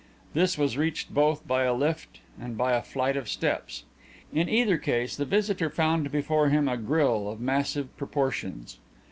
This was reached both by a lift and by a flight of steps. In either case the visitor found before him a grille of massive proportions.